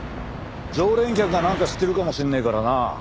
常連客がなんか知ってるかもしれねえからな。